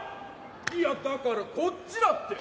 いやだからこっちだって！